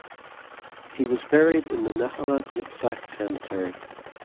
He was buried in the Nahalat Yitzhak cemetery.